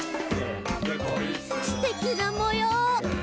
「すてきなもよう！」